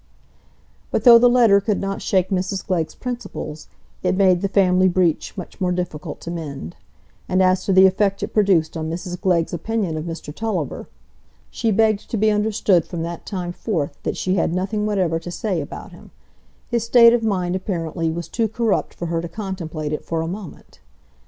But though the letter could not shake Mrs Glegg's principles, it made the family breach much more difficult to mend; and as to the effect it produced on Mrs Glegg's opinion of Mr Tulliver, she begged to be understood from that time forth that she had nothing whatever to say about him; his state of mind, apparently, was too corrupt for her to contemplate it for a moment.